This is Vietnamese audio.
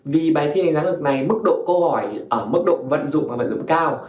vì bài thi đánh giá năng lực này mức độ câu hỏi mức độ vận dụng và vận dụng cao